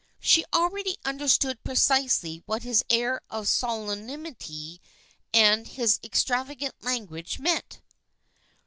She already understood precisely what his air of solemnity and his extravagant language meant.